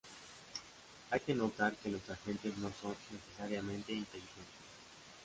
Hay que notar que los agentes no son "necesariamente" inteligentes.